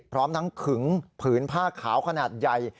พร้อมทั้งขึงผืนผ้าขาวขนาดใหญ่